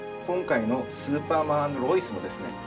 今回の「スーパーマン＆ロイス」もですね